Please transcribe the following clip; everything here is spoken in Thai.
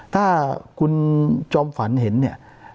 ถ้าคุณจอมฝันเห็นเนี่ย